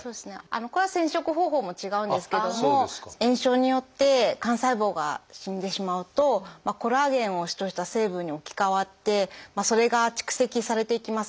これは染色方法も違うんですけども炎症によって肝細胞が死んでしまうとコラーゲンを主とした成分に置き換わってそれが蓄積されていきます。